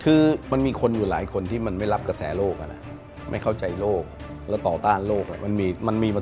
คือมันมีคนอยู่หลายคนที่มันไม่รับกระแสโรคครันไม่เข้าใจโรคและตอดภัณฑ์โรคมันมีมันมีมา